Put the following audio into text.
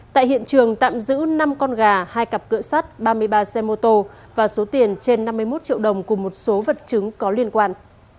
tại hiện trường tạm giữ năm con gà hai cặp cỡ sắt ba mươi ba xe mô tô và số tiền trên năm mươi một triệu đồng cùng một số vật chứng có liên quan